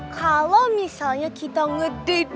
kalau misalnya kita ngedate banget